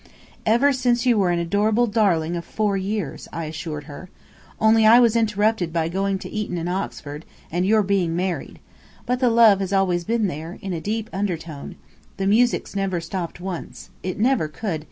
"Ever since you were an adorable darling of four years," I assured her. "Only I was interrupted by going to Eton and Oxford, and your being married. But the love has always been there, in a deep undertone. The music's never stopped once. It never could.